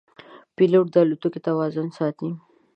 پیلوټ د الوتکې توازن ساتي.